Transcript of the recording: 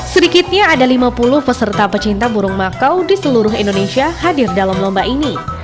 sedikitnya ada lima puluh peserta pecinta burung makau di seluruh indonesia hadir dalam lomba ini